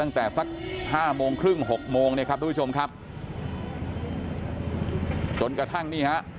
ตั้งแต่สักห้าโมงครึ่งหกโมงเนี่ยครับทุกผู้ชมครับจนกระทั่งนี่ฮะ